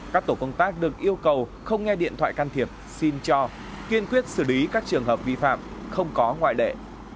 các tổ công tác được yêu cầu không nghe điện thoại can thiệp xin cho kiên quyết xử lý các trường hợp vi phạm không có ngoại lệ